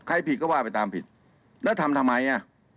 ผิดก็ว่าไปตามผิดแล้วทำทำไมอ่ะ